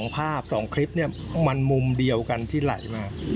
ภาพ๒คลิปเนี่ยมันมุมเดียวกันที่ไหลมา